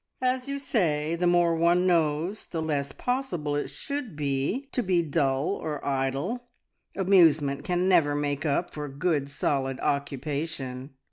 "As you say, the more one knows, the less possible it should be to be dull or idle. Amusement can never make up for good solid occupation."